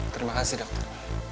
terima kasih dokter